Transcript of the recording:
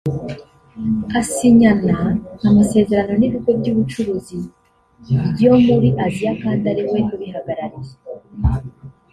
agasinyana amasezerano n’ibigo by’ubucuruzi byo muri Asia kandi ari we ubihagarariye